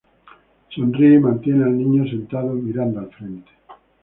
Sonríe y mantiene al niño sentado mirando al frente.